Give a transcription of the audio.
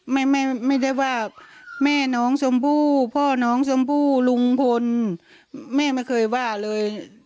ไม่ไม่ได้ว่าแม่น้องชมพู่พ่อน้องชมพู่ลุงพลแม่ไม่เคยว่าเลย